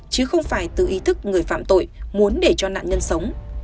chứ không phải từ ý thức người phạm tội muốn để cho nạn nhân sống